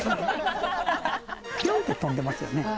ピョンって飛んでますよね。